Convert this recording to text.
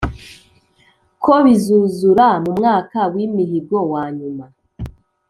ko bizuzura mu mwaka w’imihigo wa nyuma